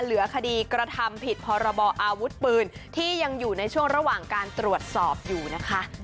เหลือคดีกระทำผิดพรบออาวุธปืนที่ยังอยู่ในช่วงระหว่างการตรวจสอบอยู่นะคะ